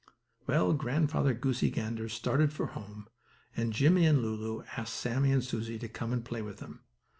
Well, Grandfather Goosey Gander started for home, and Jimmie and Lulu asked Sammie and Susie to come and play with them.